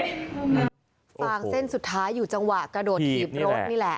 ฟางเส้นสุดท้ายอยู่จังหวะกระโดดถีบรถนี่แหละ